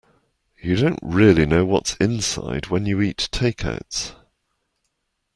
You don't really know what's inside when you eat takeouts.